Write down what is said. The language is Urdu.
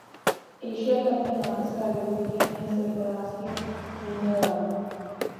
ایشیا کپ میں ناقص کارکردگی نے سرفراز کی نیندیں اڑا دیں